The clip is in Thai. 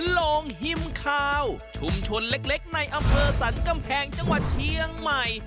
โรงฮิมคาวชุมชนเล็กในอำเภอสรรกำแพงจังหวัดเชียงใหม่